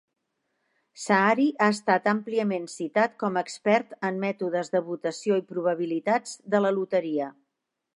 Saari ha estat àmpliament citat com a expert en mètodes de votació i probabilitats de la loteria.